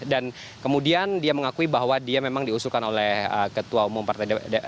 dan kemudian dia mengakui bahwa dia memang diusulkan oleh ketua umum partai